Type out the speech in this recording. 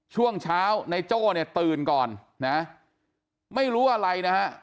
ช่วงเช้าในโจ้เนี่ยตื่นก่อนนะไม่รู้อะไรนะฮะ